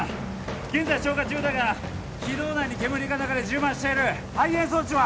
現在消火中だが軌道内に煙が流れ充満している排煙装置は？